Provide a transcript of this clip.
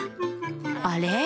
あれ？